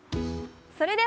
それでは！